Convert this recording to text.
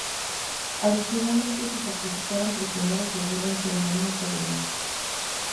Adicionalmente se sacrificaban prisioneros de guerra en ceremonias solemnes.